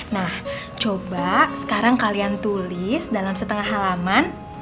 nah coba sekarang kalian tulis dalam setengah halaman